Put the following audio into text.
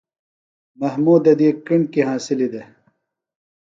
محمودہ دی کݨکیۡ ہنسِلی دےۡ۔